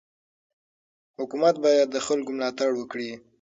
حکومت باید د خلکو ملاتړ وکړي.